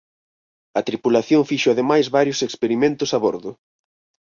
A tripulación fixo ademais varios experimentos a bordo.